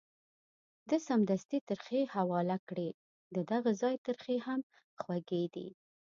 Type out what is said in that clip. ده سمدستي ترخې حواله کړې، ددغه ځای ترخې هم خوږې دي.